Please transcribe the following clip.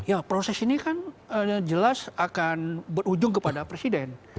ya proses ini kan jelas akan berujung kepada presiden